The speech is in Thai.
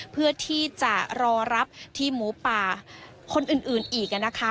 เพื่อที่จะรอรับทีมหมูป่าคนอื่นอีกนะคะ